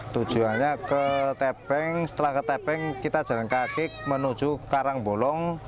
tujuannya ke tepeng setelah ke tepeng kita jalan kaki menuju karangbolong